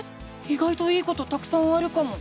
いがいといいことたくさんあるかも！